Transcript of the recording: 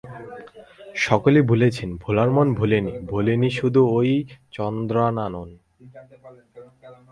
– সকলি ভুলেছে ভোলা মন ভোলে নি ভোলে নি শুধু ওই চন্দ্রানন।